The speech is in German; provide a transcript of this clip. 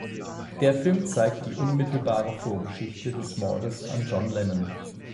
Der Film zeigt die unmittelbare Vorgeschichte des Mordes an John Lennon.